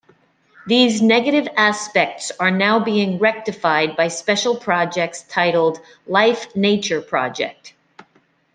These negative aspects are now being rectified by special projects titled "Life-Nature Project".